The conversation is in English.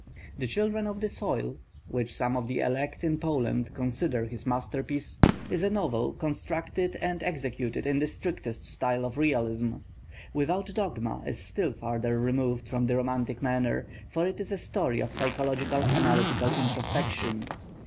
The Children of the Soil, which some of the elect in Poland consider his masterpiece, is a novel, constructed and executed in the strictest style of realism; Without Dogma is still farther removed from the Romantic manner, for it is a story of psychological analytical introspection.